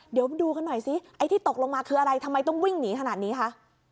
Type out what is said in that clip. เดี๋ยวดูกันหน่อยสิไอ้ที่ตกลงมาคืออะไรทำไมต้องวิ่งหนีขนาดนี้คะ